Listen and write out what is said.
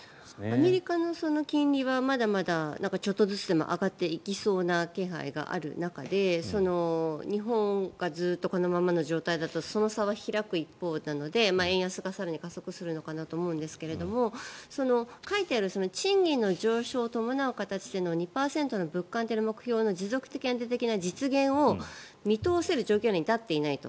アメリカの金利はまだまだちょっとずつでも上がっていきそうな気配がある中で日本がずっとこのままの状態だとその差は開く一方なので円安が更に加速するのかなと思うんですけど書いてある賃金の上昇を伴う形での２％の物価安定の目標の持続安定的な実現を見通せる状況に至っていないと。